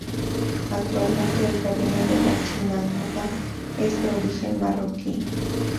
Actualmente, el rabino de la sinagoga es de origen marroquí.